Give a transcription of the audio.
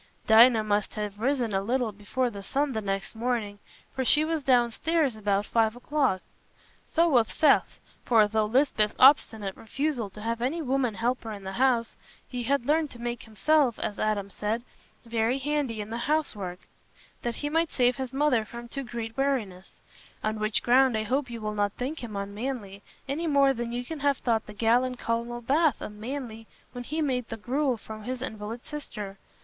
Dinah must have risen a little before the sun the next morning, for she was downstairs about five o'clock. So was Seth, for, through Lisbeth's obstinate refusal to have any woman helper in the house, he had learned to make himself, as Adam said, "very handy in the housework," that he might save his mother from too great weariness; on which ground I hope you will not think him unmanly, any more than you can have thought the gallant Colonel Bath unmanly when he made the gruel for his invalid sister.